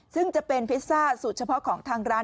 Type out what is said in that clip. ซึ่งจะเป็นพิซซ่าสูตรเฉพาะของทางร้าน